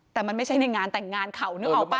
แต่มันไม่ใช่ในงานแต่งงานเขานึกออกป่